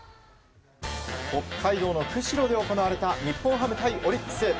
北海道の釧路で行われた日本ハム対オリックス。